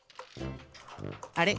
あれ？